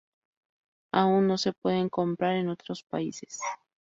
Aún no se pueden comprar en otros países.